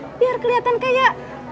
makan ayam biar keliatan kayak